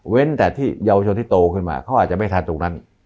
เว็นแต่ที่ยาวชนที่โตขึ้นมาท่านไม่ทานตัวนั้น